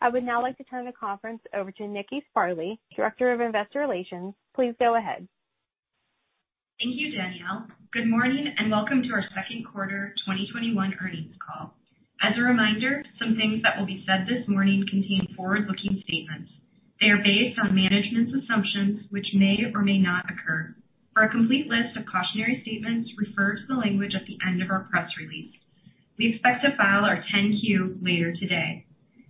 I would now like to turn the conference over to Nikki Sparley, Director of Investor Relations. Please go ahead. Thank you, Danielle. Good morning and welcome to our second quarter 2021 earnings call. As a reminder, some things that will be said this morning contain forward-looking statements. They are based on management's assumptions, which may or may not occur. For a complete list of cautionary statements, refer to the language at the end of our press release. We expect to file our 10-Q later today.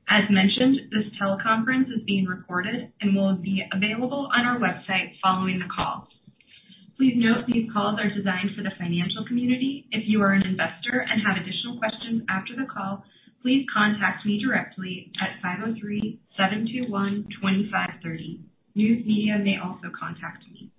As mentioned, this teleconference is being recorded and will be available on our website following the call. Please note these calls are designed for the financial community. If you are an investor and have additional questions after the call, please contact me directly at 503-721-2530. News media may also contact me.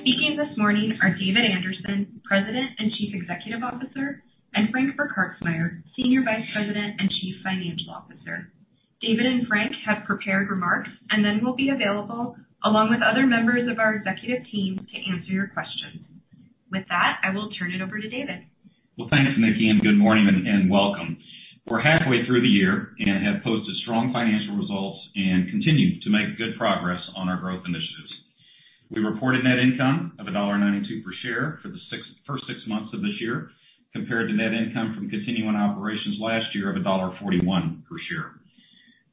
Speaking this morning are David Anderson, President and Chief Executive Officer, and Frank Burkhartsmeyer, Senior Vice President and Chief Financial Officer. David and Frank have prepared remarks and then will be available along with other members of our executive team to answer your questions. With that, I will turn it over to David. Well, thanks, Nikki, good morning and welcome. We're halfway through the year and have posted strong financial results and continue to make good progress on our growth initiatives. We reported net income of $1.92 per share for the first six months of this year compared to net income from continuing operations last year of $1.41 per share.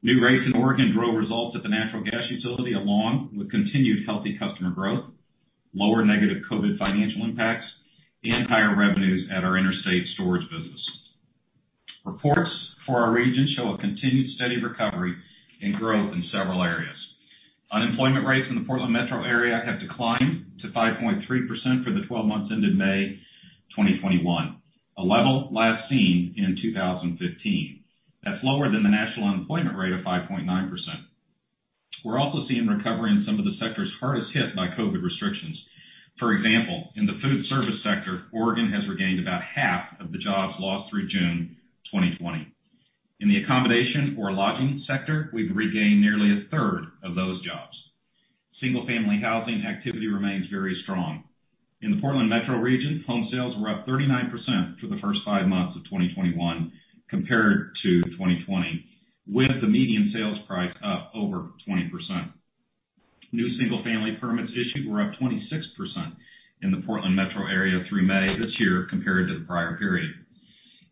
New rates in Oregon drove results at the natural gas utility, along with continued healthy customer growth, lower negative COVID financial impacts, and higher revenues at our interstate storage business. Reports for our region show a continued steady recovery and growth in several areas. Unemployment rates in the Portland metro area have declined to 5.3% for the 12 months ended May 2021, a level last seen in 2015. That's lower than the national unemployment rate of 5.9%. We're also seeing recovery in some of the sectors hardest hit by COVID restrictions. For example, in the food service sector, Oregon has regained about half of the jobs lost through June 2020. In the accommodation or lodging sector, we've regained nearly a third of those jobs. Single-family housing activity remains very strong. In the Portland metro region, home sales were up 39% for the first five months of 2021 compared to 2020, with the median sales price up over 20%. New single-family permits issued were up 26% in the Portland metro area through May this year compared to the prior period.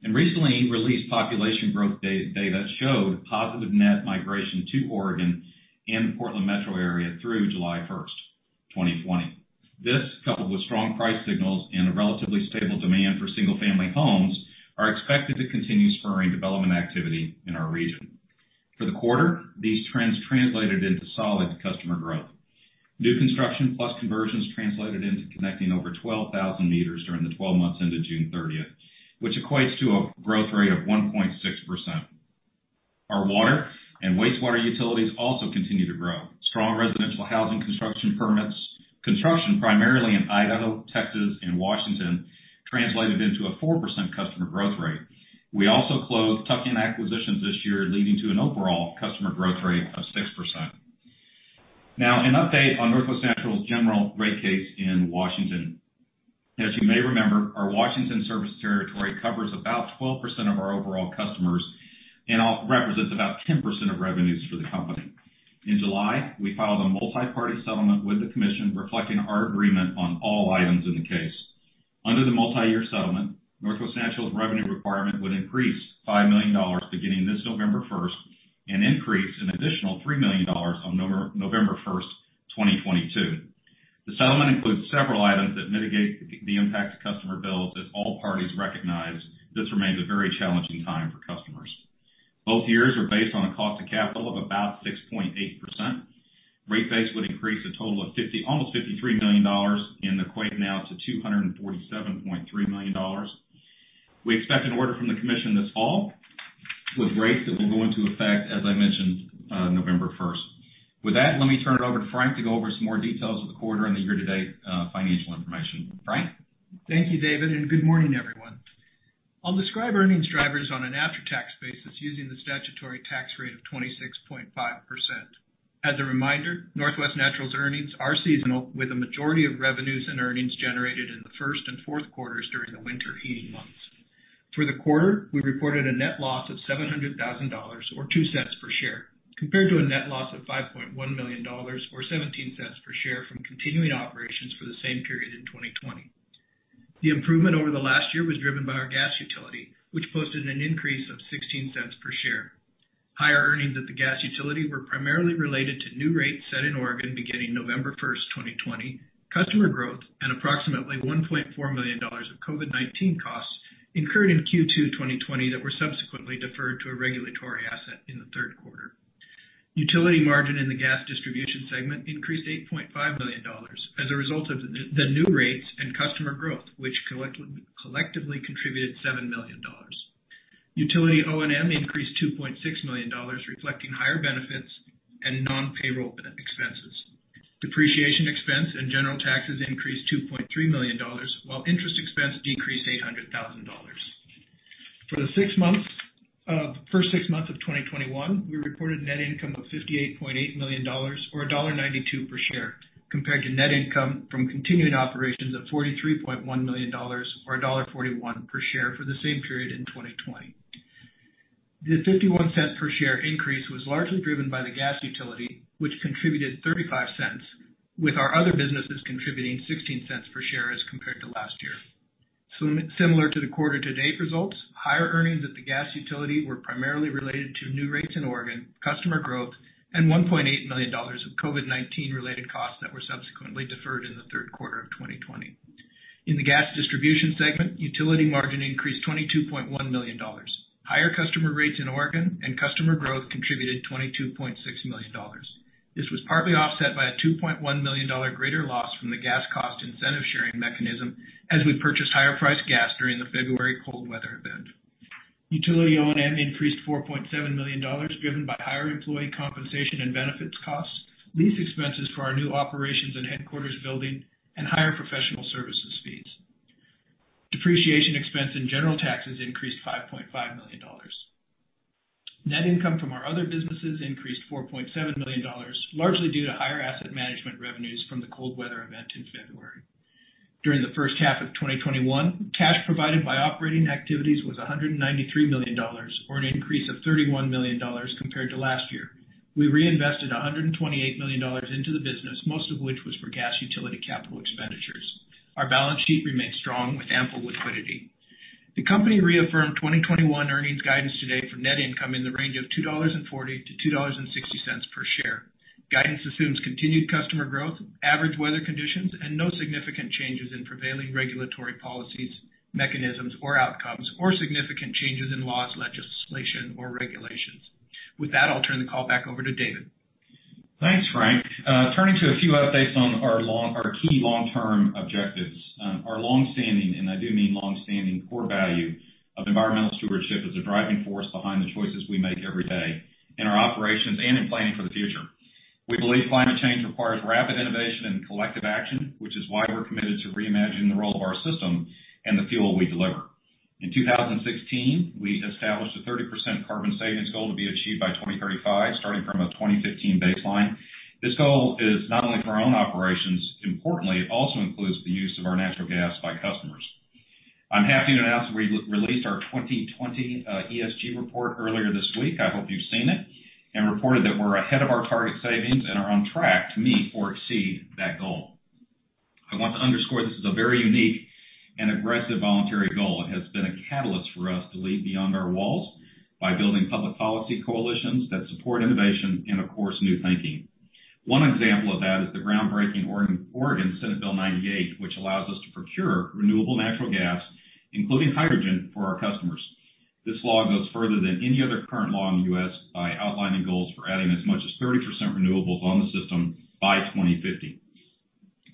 In recently released population growth data showed positive net migration to Oregon and the Portland metro area through July 1st, 2020. This, coupled with strong price signals and a relatively stable demand for single-family homes, are expected to continue spurring development activity in our region. For the quarter, these trends translated into solid customer growth. New construction plus conversions translated into connecting over 12,000 meters during the 12 months ended June 30th, which equates to a growth rate of 1.6%. Our water and wastewater utilities also continue to grow. Strong residential housing construction permits. Construction primarily in Idaho, Texas, and Washington translated into a 4% customer growth rate. We also closed tuck-in acquisitions this year, leading to an overall customer growth rate of 6%. An update on NW Natural's general rate case in Washington. As you may remember, our Washington service territory covers about 12% of our overall customers and represents about 10% of revenues for the company. In July, we filed a multi-party settlement with the commission reflecting our agreement on all items in the case. Under the multi-year settlement, NW Natural's revenue requirement would increase $5 million beginning this November 1st and increase an additional $3 million on November 1st, 2022. The settlement includes several items that mitigate the impact to customer bills as all parties recognize this remains a very challenging time for customers. Both years are based on a cost of capital of about 6.8%. Rate base would increase a total of almost $53 million and equate now to $247.3 million. We expect an order from the commission this fall with rates that will go into effect, as I mentioned, November 1st. With that, let me turn it over to Frank to go over some more details of the quarter and the year-to-date financial information. Frank? Thank you, David, and good morning, everyone. I'll describe earnings drivers on an after-tax basis using the statutory tax rate of 26.5%. As a reminder, NW Natural's earnings are seasonal, with the majority of revenues and earnings generated in the first and fourth quarters during the winter heating months. For the quarter, we reported a net loss of $700,000, or $0.02 per share, compared to a net loss of $5.1 million or $0.17 per share from continuing operations for the same period in 2020. The improvement over the last year was driven by our gas utility, which posted an increase of $0.16 per share. Higher earnings at the gas utility were primarily related to new rates set in Oregon beginning November 1st, 2020, customer growth at approximately $1.4 million of COVID-19 costs incurred in Q2 2020 that were subsequently deferred to a regulatory asset in the third quarter. Utility margin in the gas distribution segment increased $8.5 million as a result of the new rates and customer growth, which collectively contributed $7 million. Utility O&M increased $2.6 million, reflecting higher benefits and non-payroll benefits expenses. Depreciation expense and general taxes increased $2.3 million, while interest expense decreased $800,000. For the first six months of 2021, we reported net income of $58.8 million, or $1.92 per share, compared to net income from continuing operations of $43.1 million, or $1.41 per share for the same period in 2020. The $0.51 per share increase was largely driven by the gas utility, which contributed $0.35, with our other businesses contributing $0.16 per share as compared to last year. Similar to the quarter to date results, higher earnings at the gas utility were primarily related to new rates in Oregon, customer growth, and $1.8 million of COVID-19 related costs that were subsequently deferred in the third quarter of 2020. In the gas distribution segment, utility margin increased $22.1 million. Higher customer rates in Oregon and customer growth contributed $22.6 million. This was partly offset by a $2.1 million greater loss from the gas cost incentive-sharing mechanism, as we purchased higher-priced gas during the February cold weather event. Utility O&M increased $4.7 million, driven by higher employee compensation and benefits costs, lease expenses for our new operations and headquarters building, and higher professional services fees. Depreciation expense and general taxes increased $5.5 million. Net income from our other businesses increased $4.7 million, largely due to higher asset management revenues from the cold weather event in February. During the first half of 2021, cash provided by operating activities was $193 million, or an increase of $31 million compared to last year. We reinvested $128 million into the business, most of which was for gas utility capital expenditures. Our balance sheet remains strong with ample liquidity. The company reaffirmed 2021 earnings guidance today for net income in the range of $2.40-$2.60 per share. Guidance assumes continued customer growth, average weather conditions, and no significant changes in prevailing regulatory policies, mechanisms or outcomes, or significant changes in laws, legislation or regulations. With that, I'll turn the call back over to David. Thanks, Frank. Turning to a few updates on our key long-term objectives. Our longstanding, and I do mean longstanding, core value of environmental stewardship is the driving force behind the choices we make every day in our operations and in planning for the future. We believe climate change requires rapid innovation and collective action, which is why we're committed to reimagining the role of our system and the fuel we deliver. In 2016, we established a 30% carbon savings goal to be achieved by 2035, starting from a 2015 baseline. This goal is not only for our own operations, importantly, it also includes the use of our natural gas by customers. I'm happy to announce that we released our 2020 ESG report earlier this week, I hope you've seen it, reported that we're ahead of our target savings and are on track to meet or exceed that goal. I want to underscore this is a very unique and aggressive voluntary goal. It has been a catalyst for us to lead beyond our walls by building public policy coalitions that support innovation and, of course, new thinking. One example of that is the groundbreaking Oregon Senate Bill 98, which allows us to procure renewable natural gas, including hydrogen, for our customers. This law goes further than any other current law in the U.S. by outlining goals for adding as much as 30% renewables on the system by 2050.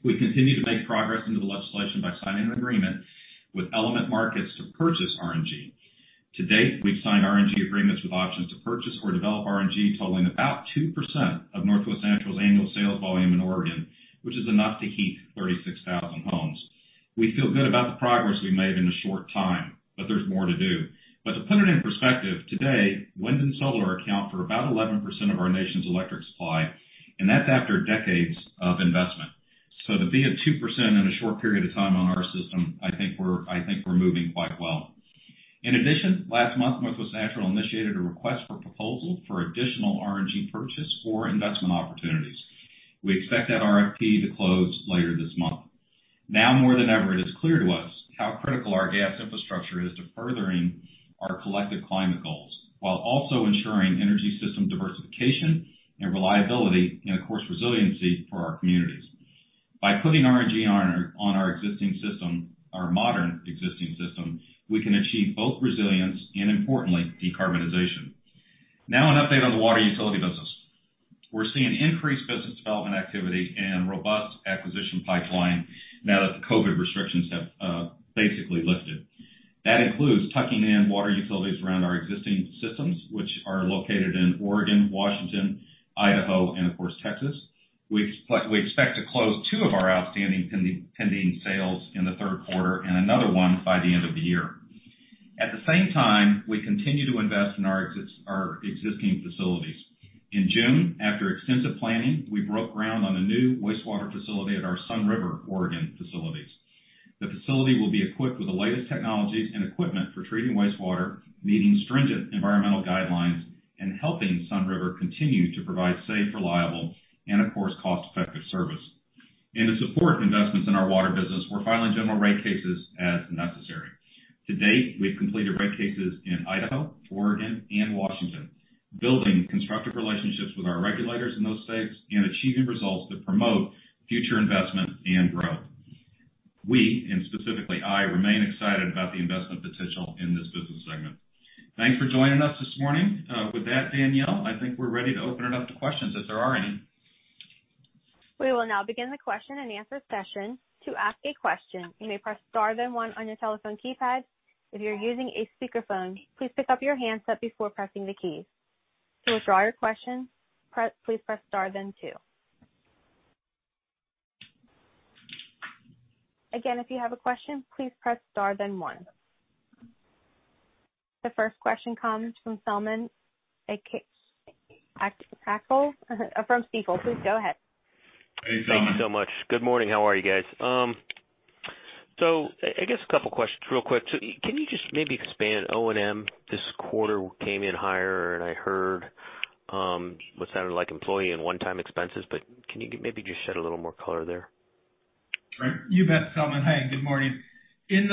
We continue to make progress into the legislation by signing an agreement with Element Markets to purchase RNG. To date, we've signed RNG agreements with options to purchase or develop RNG totaling about 2% of NW Natural's annual sales volume in Oregon, which is enough to heat 36,000 homes. We feel good about the progress we've made in a short time. There's more to do. To put it in perspective, today, wind and solar account for about 11% of our nation's electric supply, and that's after decades of investment. To be at 2% in a short period of time on our system, I think we're moving quite well. In addition, last month, NW Natural initiated a request for proposal for additional RNG purchase or investment opportunities. We expect that RFP to close later this month. More than ever, it is clear to us how critical our gas infrastructure is to furthering our collective climate goals, while also ensuring energy system diversification and reliability, and of course, resiliency for our communities. By putting RNG on our existing system, our modern existing system, we can achieve both resilience and importantly, decarbonization. Now an update on the water utility business. We're seeing increased business development activity and robust acquisition pipeline now that the COVID-19 restrictions have basically lifted. That includes tucking in water utilities around our existing systems, which are located in Oregon, Washington, Idaho, and of course, Texas. We expect to close two of our outstanding pending sales in the third quarter and another one by the end of the year. At the same time, we continue to invest in our existing facilities. In June, after extensive planning, we broke ground on a new wastewater facility at our Sunriver, Oregon facilities. The facility will be equipped with the latest technologies and equipment for treating wastewater, meeting stringent environmental guidelines, and helping Sunriver continue to provide safe, reliable, and of course, cost-effective service. To support investments in our water business, we're filing general rate cases as necessary. To date, we've completed rate cases in Idaho, Oregon, and Washington, building constructive relationships with our regulators in those states and achieving results that promote future investment and growth. We, and specifically I, remain excited about the investment potential in this business segment. Thanks for joining us this morning. With that, Danielle, I think we're ready to open it up to questions if there are any. We will now begin the question and answer session. To ask a question, you may press star then one on your telephone keypad. If you're using a speakerphone, please pick up your handset before pressing the keys. To withdraw your question, please press star then two. Again, if you have a question, please press star then one. The first question comes from Selman Akyol from Stifel. Please go ahead. Hey, Selman. Thank you so much. Good morning. How are you guys? I guess two questions real quick. Can you just maybe expand O&M this quarter came in higher and I heard what sounded like employee and one-time expenses, but can you maybe just shed a little more color there? Sure. You bet, Selman. Hey, good morning. In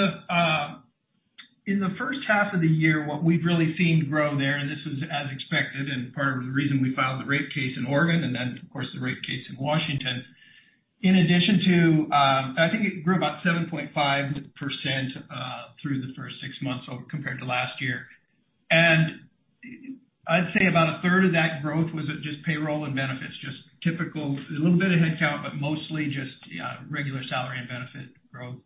the first half of the year, what we've really seen grow there, and this is as expected and part of the reason we filed the rate case in Oregon and then of course the rate case in Washington, I think it grew about 7.5% through the first six months compared to last year. I'd say about a third of that growth was just payroll and benefits, just typical, a little bit of headcount, but mostly just regular salary and benefit growth.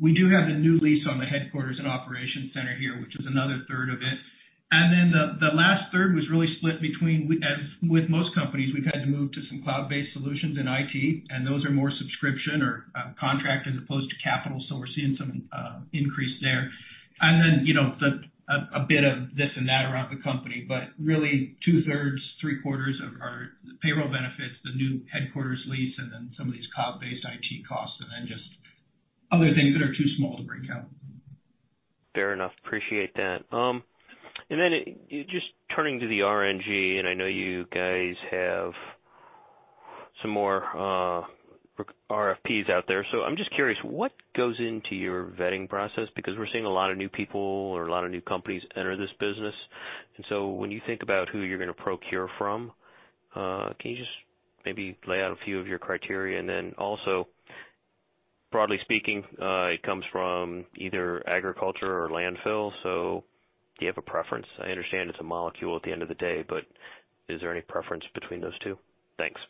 We do have the new lease on the headquarters and operations center here, which is another third of it. The last third was really split between, as with most companies, we've had to move to some cloud-based solutions in IT, and those are more subscription or contract as opposed to capital. We're seeing some increase there. Then a bit of this and that around the company, but really 2/3, 3/4 are payroll benefits, the new headquarters lease, and then some of these cloud-based IT costs, and then just other things that are too small to break out. Fair enough. Appreciate that. Just turning to the RNG, and I know you guys have some more RFPs out there. I'm just curious what goes into your vetting process because we're seeing a lot of new people or a lot of new companies enter this business. When you think about who you're going to procure from, can you just maybe lay out a few of your criteria? Also, broadly speaking, it comes from either agriculture or landfill. Do you have a preference? I understand it's a molecule at the end of the day, but is there any preference between those two? Thanks.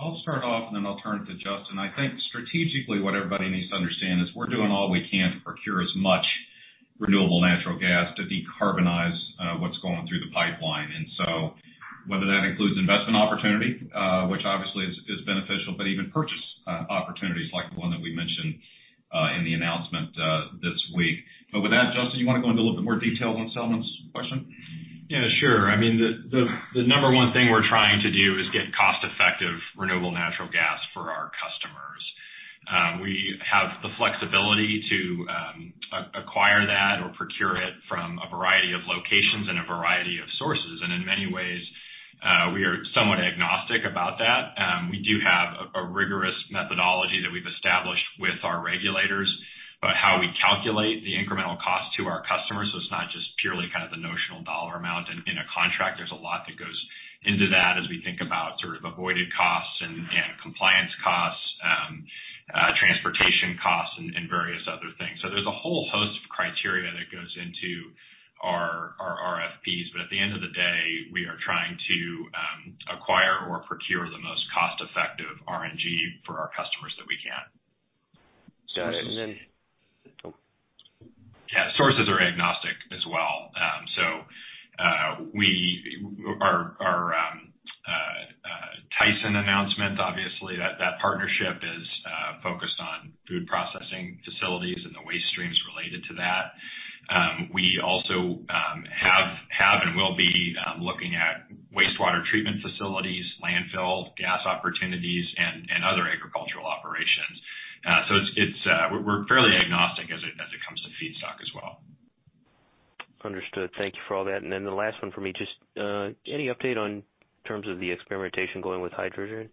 I'll start off and then I'll turn it to Justin. I think strategically what everybody needs to understand is we're doing all we can to procure as much renewable natural gas to decarbonize what's going through the pipeline. Whether that includes investment opportunity, which obviously is beneficial, but even purchase opportunities like the one that we mentioned in the announcement this week. With that, Justin, you want to go into a little bit more detail on Selman's question? I mean, the number one thing we're trying to do is get cost-effective renewable natural gas for our customers. We have the flexibility to acquire that or procure it from a variety of locations and a variety of sources. In many ways, we are somewhat agnostic about that. We do have a rigorous methodology that we've established with our regulators about how we calculate the incremental cost to our customers. It's not just purely the notional dollar amount in a contract. There's a lot that goes into that as we think about avoided costs and compliance costs, transportation costs, and various other things. There's a whole host of criteria that goes into our RFPs. At the end of the day, we are trying to acquire or procure the most cost-effective RNG for our customers that we can. Got it. Oh. Yeah. Sources are agnostic as well. Our Tyson announcement, obviously that partnership is focused on food processing facilities and the waste streams related to that. We also have and will be looking at wastewater treatment facilities, landfill gas opportunities, and other agricultural operations. We're fairly agnostic as it comes to feedstock as well. Understood. Thank you for all that. The last one for me, just any update in terms of the experimentation going with hydrogen?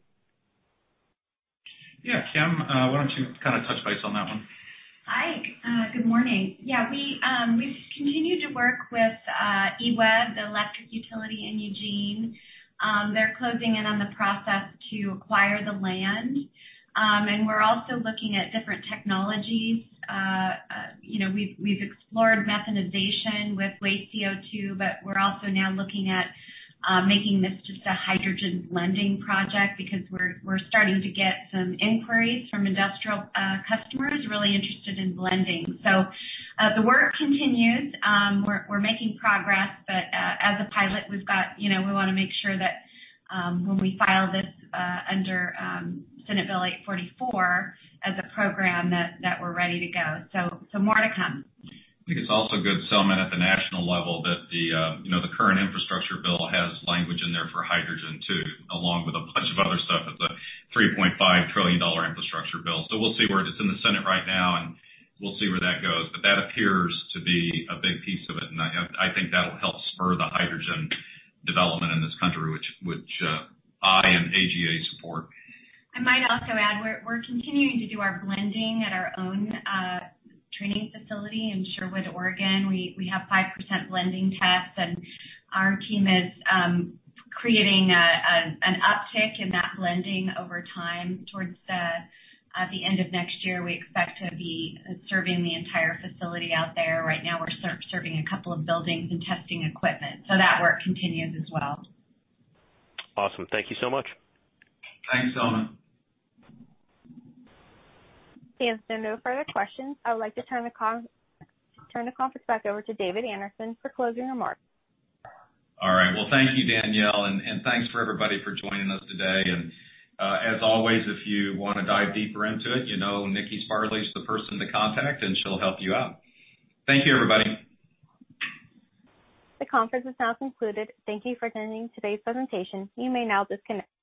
Yeah. Kim, why don't you touch base on that one? Hi. Good morning. Yeah, we've continued to work with EWEB, the electric utility in Eugene. They're closing in on the process to acquire the land. We're also looking at different technologies. We've explored methanation with waste CO2, but we're also now looking at making this just a hydrogen blending project because we're starting to get some inquiries from industrial customers really interested in blending. The work continues. We're making progress, but as a pilot, we want to make sure that when we file this under Senate Bill 844 as a program that we're ready to go. More to come. I think it's also good, Selman, at the national level that the current infrastructure bill has language in there for hydrogen too, along with a bunch of other stuff. It's a $3.5 trillion infrastructure bill. We'll see where it is in the Senate right now, and we'll see where that goes. That appears to be a big piece of it, and I think that'll help spur the hydrogen development in this country, which I and AGA support. I might also add, we're continuing to do our blending at our own training facility in, Oregon. We have 5% blending tests, and our team is creating an uptick in that blending over time towards the end of next year. We expect to be serving the entire facility out there. Right now, we're serving a couple of buildings and testing equipment. That work continues as well. Awesome. Thank you so much. Thanks, Selman. Okay, if there are no further questions, I would like to turn the conference back over to David Anderson for closing remarks. All right. Well, thank you, Danielle, and thanks for everybody for joining us today. As always, if you want to dive deeper into it, you know Nikki Sparley is the person to contact, and she'll help you out. Thank you, everybody. The conference is now concluded. Thank you for attending today's presentation. You may now disconnect.